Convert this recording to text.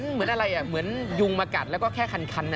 เหมือนอะไรเหมือนยุงมากัดแล้วก็แค่คัน